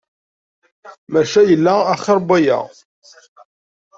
Maca yella axir n waya.